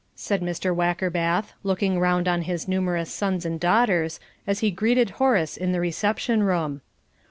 said Mr. Wackerbath, looking round on his numerous sons and daughters, as he greeted Horace in the reception room.